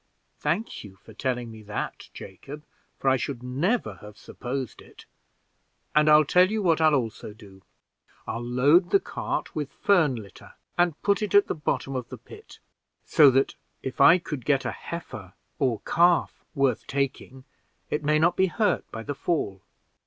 "Thank you for telling me that, Jacob, for I should never have supposed it, and I'll tell you what I'll also do; I'll load the cart with fern litter, and put it at the bottom of the pit, so that if I could get a heifer or calf worth taking, it may not be hurt by the fall."